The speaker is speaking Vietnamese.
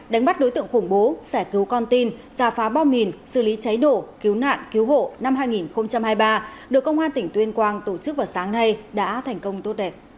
đánh bắt đối tượng khủng bố giải cứu con tin giả phá bom hình xử lý cháy đổ cứu nạn cứu hộ